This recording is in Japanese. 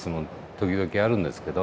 時々あるんですけど。